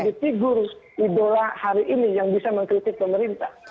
menjadi figur idola hari ini yang bisa mengkritik pemerintah